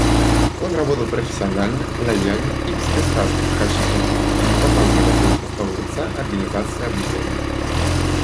Он работал профессионально, лояльно и беспристрастно в качестве высокопоставленного должностного лица Организации Объединенных Наций.